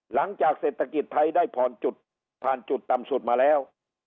หลังจากเศรษฐกิจไทยได้ผ่อนจุดผ่านจุดต่ำสุดมาแล้ว